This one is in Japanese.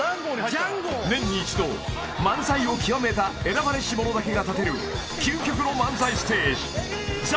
［年に一度漫才を極めた選ばれし者だけが立てる究極の漫才ステージ］